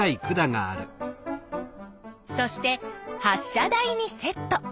そして発しゃ台にセット。